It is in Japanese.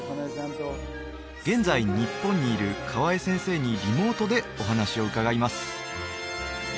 現在日本にいる河江先生にリモートでお話を伺います